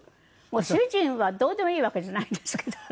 主人はどうでもいいわけじゃないんですけど。